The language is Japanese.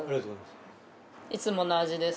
いつもの味です。